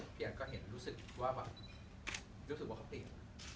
พี่อันก็เห็นรู้สึกว่าเขาเปลี่ยน